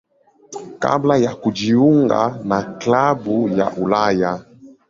kabla ya kujiunga na klabu ya Ulaya.